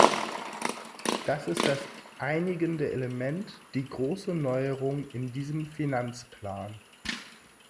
Das ist das einigende Element, die große Neuerung in diesem Finanzplan.